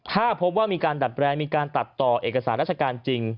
ถ้าพบว่ามีการดัดแปลงมีการตัดต่อเอกสารราชการจริง